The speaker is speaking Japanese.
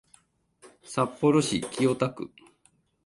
札幌市清田区